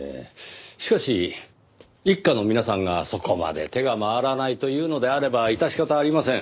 しかし一課の皆さんがそこまで手が回らないというのであれば致し方ありません。